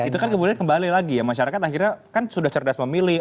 itu kan kemudian kembali lagi ya masyarakat akhirnya kan sudah cerdas memilih